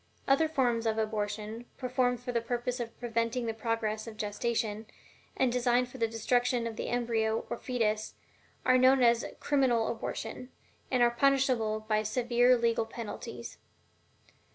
Other forms of abortion, performed for the purpose of preventing the progress of the gestation, and designed for the destruction of the embryo or fetus, are known as "criminal abortion," and are punishable by several legal penalties.